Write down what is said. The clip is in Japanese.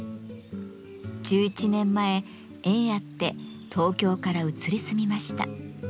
１１年前縁あって東京から移り住みました。